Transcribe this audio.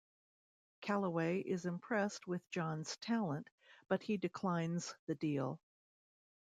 Calloway is impressed with John's talent, but he declines the deal.